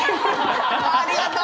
ありがとう！